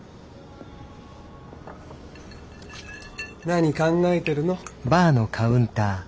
何考えてるの？